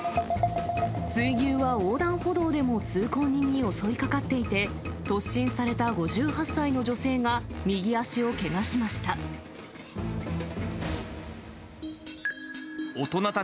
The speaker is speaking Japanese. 水牛は横断歩道でも通行人に襲いかかっていて、突進された５８歳の女性が右足をけがしました。